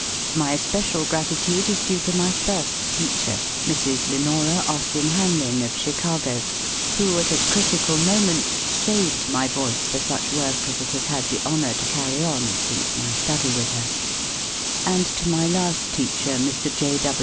My especial gratitude is due to my first teacher, Mrs. Lenora Austin Hamlin of Chicago, who, at a critical moment saved my voice for such work as it has had the iv PREFACE honor to carry on, since my study with her; and to my last teacher, Mr. J.